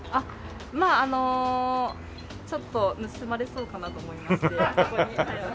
まああのちょっと盗まれそうかなと思いましてあそこに代わりに。